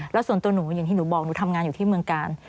แล้วส่วนตัวหนูอย่างที่หนูบอกหนูทำงานอยู่ที่เมืองกาล